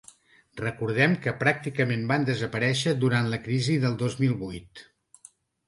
Recordem que pràcticament van desaparèixer durant la crisi del dos mil vuit.